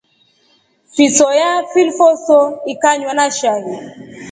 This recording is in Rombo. Fisoya fifloso ikanywa na shai.